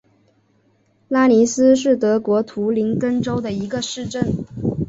拉尼斯是德国图林根州的一个市镇。